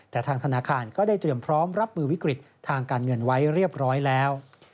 แต่ทางธนาคารก็ได้เตรียมพร้อมรับมือวิกฤตทางการเงินไว้เรียบร้อยแล้ว